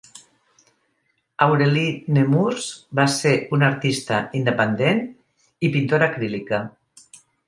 Aurelie Nemours va ser una artista independent i pintora acrílica.